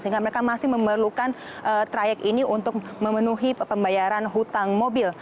sehingga mereka masih memerlukan trayek ini untuk memenuhi pembayaran hutang mobil